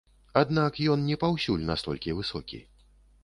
Аднак, ён не паўсюль настолькі высокі.